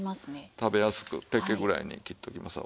食べやすくペケぐらいに切っておきますわ。